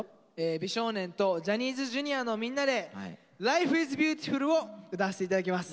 美少年とジャニーズＪｒ．のみんなで「Ｌｉｆｅｉｓｂｅａｕｔｉｆｕｌ」を歌わせて頂きます。